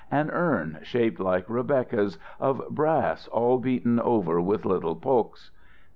An urn, shaped like Rebecca's, of brass all beaten over with little poks.